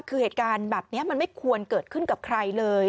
คือเหตุการณ์แบบนี้มันไม่ควรเกิดขึ้นกับใครเลย